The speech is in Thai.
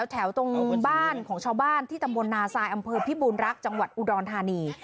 แถวตรงบ้านของชาวบ้านที่ตำบลนาซายอำเภอพิบูรรักษ์จังหวัดอุดรธานี